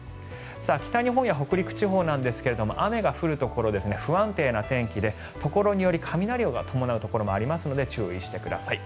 北日本や北陸地方ですが雨が降るところ不安定な天気で所により雷が伴うところもありますので注意してください。